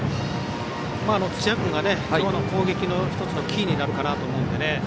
土屋君が今日の攻撃の１つのキーになるかと思うので。